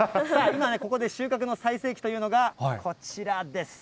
今ね、ここで収穫の最盛期というのが、こちらです。